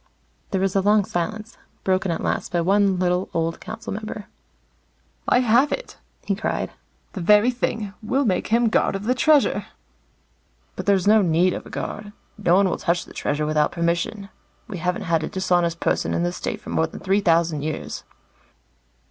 There was a long silence, broken at last by one little, old council member. "I have it," he cried. "The very thing. We'll make him guard of the Treasure." "But there's no need of a guard. No one will touch the Treasure without permission. We haven't had a dishonest person in the State for more than three thousand years."